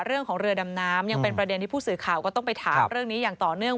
เรือดำน้ำยังเป็นประเด็นที่ผู้สื่อข่าวก็ต้องไปถามเรื่องนี้อย่างต่อเนื่อง